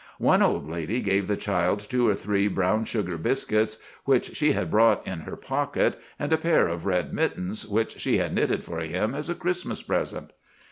One old lady gave the child two or three brown sugar biscuits, which she had brought in her pocket, and a pair of red mittens, which she had knitted for him as a Christmas present.